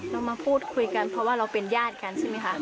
เรามาพูดคุยกันเพราะว่าเราเป็นญาติกันใช่ไหมคะ